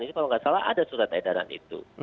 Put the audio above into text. ini kalau tidak salah ada surat edaran itu